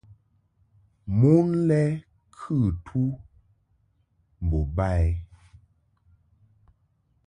Mon lɛ kɨ tu mbo ba i.